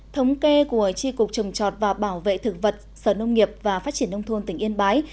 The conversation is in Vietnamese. thống kê của tri cục trồng chọt và bảo vệ thực vật sở nông nghiệp và phát triển nông thôn tỉnh yên bái